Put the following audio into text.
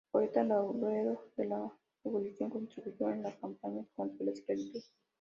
Poeta laureado de la abolición, contribuyó en las campañas contra a esclavitud.